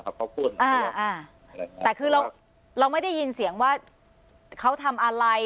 ขอบคุณอ่าแต่คือเราเราไม่ได้ยินเสียงว่าเขาทำอะไร